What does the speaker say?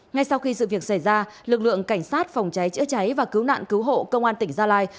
ngay sau khi sự việc xảy ra lực lượng cảnh sát phòng cháy chữa cháy và cứu nạn cứu hộ công an tỉnh gia lai